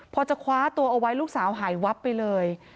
พอจะคว้าตัวเอาไว้ลูกสาวหายวับไปเลย